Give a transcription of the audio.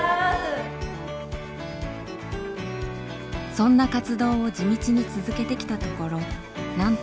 そんな活動を地道に続けてきたところなんと。